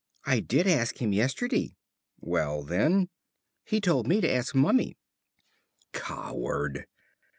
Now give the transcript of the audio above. "I did ask him yesterday." "Well, then " "He told me to ask Mummy." Coward!